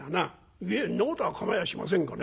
「いえそんなことは構やしませんがね